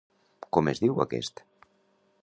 Com es diu aquest?